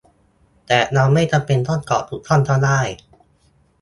แต่เราไม่จำเป็นต้องกรอกทุกช่องก็ได้